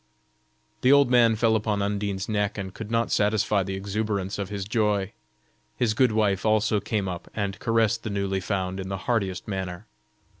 The old man fell upon Undine's neck and could not satisfy the exuberance of his joy; his good wife also came up and caressed the newly found in the heartiest manner.